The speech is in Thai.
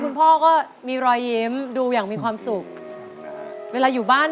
คุณพ่อก็มีรอยยิ้มดูอย่างมีความสุขเวลาอยู่บ้าน